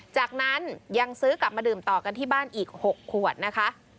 จากนั้นยังซื้อกลับมาดื่มต่อกันที่บ้านอีก๖ขวดนะคะ